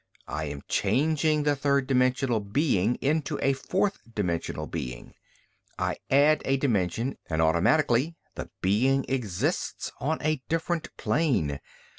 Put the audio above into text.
I am changing the third dimensional being into a fourth dimensional being. I add a dimension, and automatically the being exists on a different plane.